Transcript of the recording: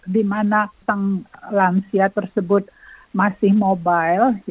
dimana teng lansia tersebut masih mobile